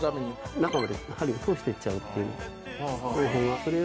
中まで針を通していっちゃうっていう方法が。